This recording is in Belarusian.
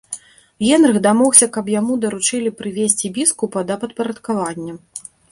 Генрых дамогся, каб яму даручылі прывесці біскупа да падпарадкавання.